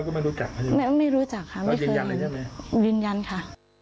ก็ได้เราก็ไม่รู้จักยังมายินยันค่ะ